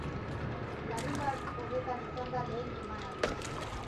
Larunbat honetan izan da lehen emanaldia.